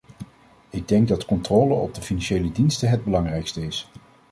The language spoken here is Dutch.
Ik denk dat controle op de financiële diensten het belangrijkste is.